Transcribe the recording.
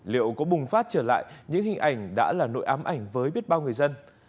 liệu có bùng phát trở lại những hình ảnh đã là nội ám ảnh với biết bao người dân